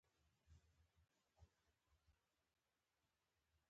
د سکرو سطحي کانونه د طبیعت ښکلا ته زیان رسوي.